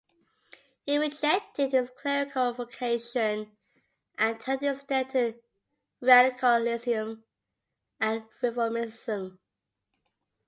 He rejected his clerical vocation and turned instead to radicalism and reformism.